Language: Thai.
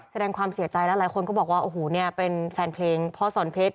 แสดงความเสียใจแล้วหลายคนก็บอกว่าโอ้โหเนี่ยเป็นแฟนเพลงพ่อสอนเพชร